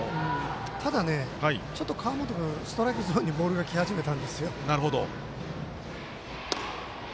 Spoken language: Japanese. ただ、ちょっと川本君、ストライクゾーンにボールがき始めたんですよ。